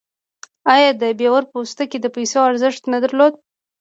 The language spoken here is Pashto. آیا د بیور پوستکي د پیسو ارزښت نه درلود؟